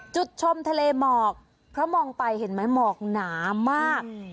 จุดชมทะเลหมอกเพราะมองไปเห็นไหมหมอกหนามาก